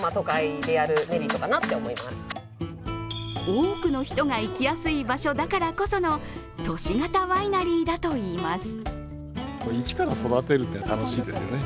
多くの人が行きやすい場所だからこその都市型ワイナリーだといいます。